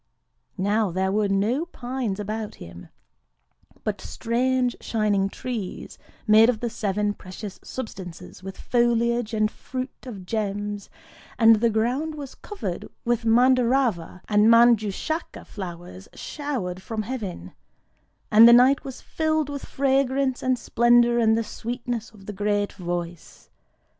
Now there were no pines about him, but strange shining trees made of the Seven Precious Substances, with foliage and fruit of gems;—and the ground was covered with Mandârava and Manjûshaka flowers showered from heaven;—and the night was filled with fragrance and splendour and the sweetness of the great Voice.